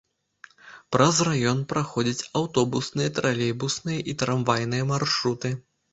Праз раён праходзяць аўтобусныя, тралейбусныя і трамвайныя маршруты.